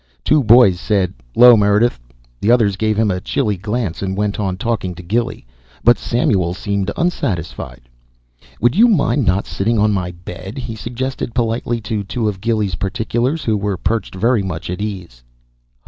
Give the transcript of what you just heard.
Two boys said, "'Lo, Mer'dith"; the others gave him a chilly glance and went on talking to Gilly. But Samuel seemed unsatisfied. "Would you mind not sitting on my bed?" he suggested politely to two of Gilly's particulars who were perched very much at ease.